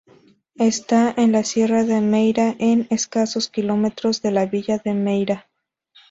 Está en la sierra de Meira, a escasos kilómetros de la villa de Meira.